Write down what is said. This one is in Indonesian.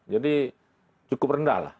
jadi cukup rendah lah